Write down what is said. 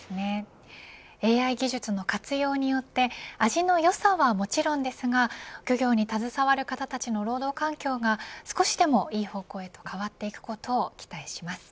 ＡＩ技術の活用によって味の良さはもちろんですが漁業に携わる方の人たちの労働環境が少しでもいい方向へと変わっていくことを期待します。